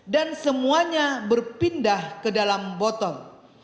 dan semuanya berpindah ke dalam botol